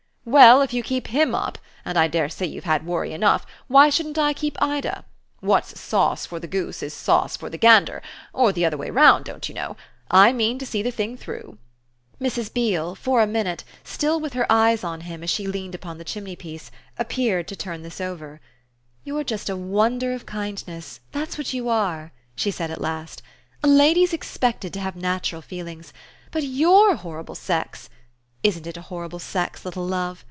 "Well, if you keep HIM up and I dare say you've had worry enough why shouldn't I keep Ida? What's sauce for the goose is sauce for the gander or the other way round, don't you know? I mean to see the thing through." Mrs. Beale, for a minute, still with her eyes on him as he leaned upon the chimneypiece, appeared to turn this over. "You're just a wonder of kindness that's what you are!" she said at last. "A lady's expected to have natural feelings. But YOUR horrible sex ! Isn't it a horrible sex, little love?"